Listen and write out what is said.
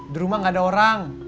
di rumah gak ada orang